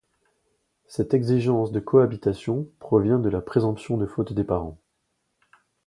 Cette exigence de cohabitation provient de la présomption de faute des parents.